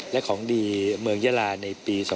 และของดีเมืองยะลานี้